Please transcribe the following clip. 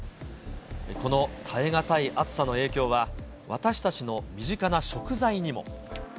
この耐えがたい暑さの影響は、私たちの身近な食材にも。